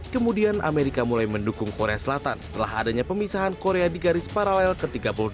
kemudian amerika mulai mendukung korea selatan setelah adanya pemisahan korea di garis paralel ke tiga puluh delapan